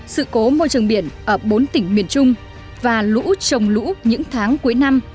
sự cố môi trường biển ở bốn tỉnh miền trung và lũ trồng lũ những tháng cuối năm